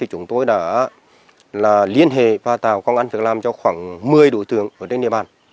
chúng tôi đã liên hệ và tạo công ăn việc làm cho khoảng một mươi đối tượng ở trên địa bàn